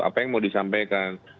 apa yang mau disampaikan